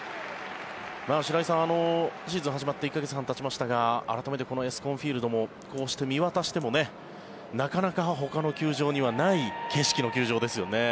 白井さん、シーズンが始まって１か月半がたちましたが改めてこのＥＳＣＯＮＦＩＥＬＤもこうして見渡してもなかなかほかの球場にはない景色の球場ですよね。